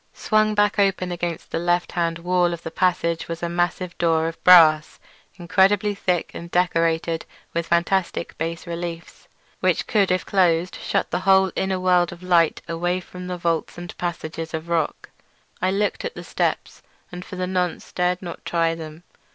Swung back open against the left hand wall of the passage was a massive door of brass, incredibly thick and decorated with fantastic bas reliefs, which could if closed shut the whole inner world of light away from the vaults and passages of rock. I looked at the steps, and for the nonce dared not try them.